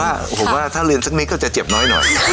แต่ว่าผมว่าถ้าเรียนซักนิดก็จะเจ็บน้อย